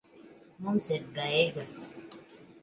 Mums ir beigas.